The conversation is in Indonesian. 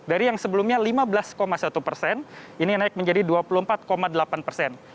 dari yang sebelumnya lima belas satu persen ini naik menjadi dua puluh empat delapan persen